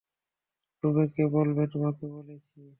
ডুবেকে বলবে তোমাকে বলেছি।